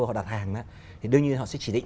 họ đặt hàng thì đương nhiên họ sẽ chỉ định